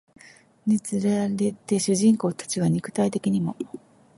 につれて主人公たちが肉体的にも